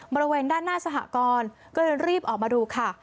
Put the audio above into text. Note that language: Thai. บริเวณด้านหน้าสหกรก็เลยรีบออกมาดูค่ะ